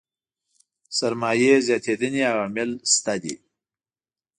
سرمايې زياتېدنې عوامل شته دي.